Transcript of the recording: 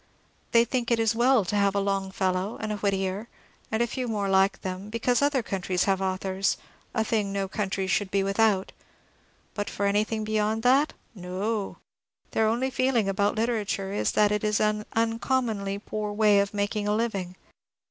They think it is well to have a Longfellow and a Whittier, and a few more like them, because other countries have authors, —a thing no country should be without," — but for anything beyond that? no! Their only feeling about literature is that it is an uncommonly poor way of making a living.